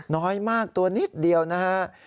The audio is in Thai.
น้อยมากตัวนิดเดียวนะฮะ